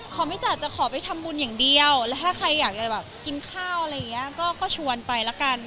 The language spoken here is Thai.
ขอจะขอไปทำบุญอย่างเดียวแล้วถ้าใครอยากกินข้าวก็ชวนไป